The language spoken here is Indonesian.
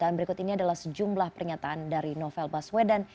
dan berikut ini adalah sejumlah pernyataan dari novel baswedan